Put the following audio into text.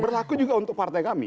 berlaku juga untuk partai kami